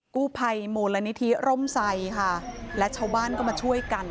กู้ไพมโมลนิธิร่มใสค่ะและเช้าบ้านก็มาช่วยกัน